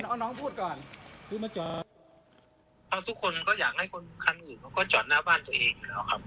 ทุกคนก็อยากให้คนคันอื่นก็จอดหน้าบ้านตัวเองอยู่แล้วครับ